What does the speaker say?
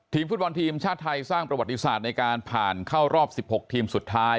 ฟุตบอลทีมชาติไทยสร้างประวัติศาสตร์ในการผ่านเข้ารอบ๑๖ทีมสุดท้าย